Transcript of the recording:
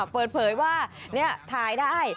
เปิดเผยว่านี่ถ่ายได้